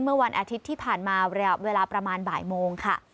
เมื่อวันอาทิตย์ที่ผ่านมาเวลาประมาณบ่ายโมงค่ะ